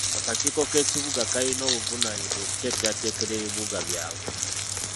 Akakiiko k'ekibuga kalina obuvunaanyizibwa okuteekerateekera ebibuga byabwe.